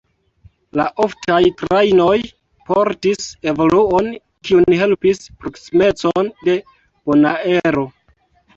La oftaj trajnoj portis evoluon, kiun helpis proksimeco de Bonaero.